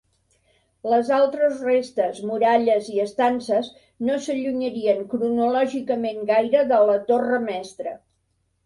Les altres restes, muralles i estances, no s'allunyarien cronològicament gaire de la torre mestra.